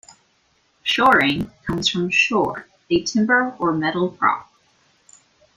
"Shoring" comes from "shore" a timber or metal prop.